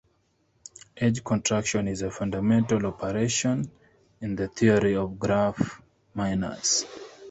Edge contraction is a fundamental operation in the theory of graph minors.